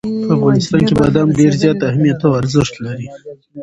په افغانستان کې بادام ډېر زیات اهمیت او ارزښت لري.